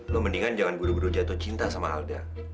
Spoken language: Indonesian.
lo mendingan jangan guru guru jatuh cinta sama alda